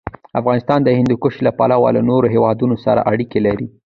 افغانستان د هندوکش له پلوه له نورو هېوادونو سره اړیکې لري.